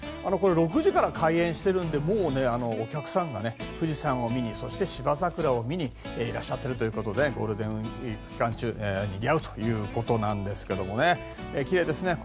６時から開園してるのでもうお客さんが富士山を見にそして芝桜を見にいらっしゃっているということでゴールデンウィーク期間中にぎわうということですけどきれいですね。